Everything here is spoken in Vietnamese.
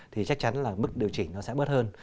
thì chắc chắn là mức điều chỉnh nó sẽ bớt hơn